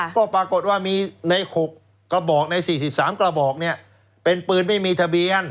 ก็ปรากฏว่ามีใน๖กระบอกใน๔๓กระบอกเนี่ยเป็นปืนไม่มีทะเบียน